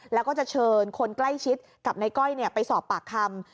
แล้วก็จะเชิญคนใกล้ชิดกับนายก้อยไปสอบปากคำ